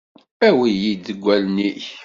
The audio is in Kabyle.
Awi-yi-d deg wallen-ik.